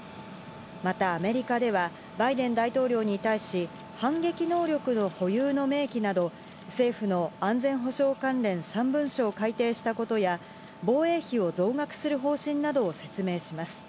またアメリカでは、バイデン大統領に対し、反撃能力の保有の明記など、政府の安全保障関連３文書を改定したことや、防衛費を増額する方針などを説明します。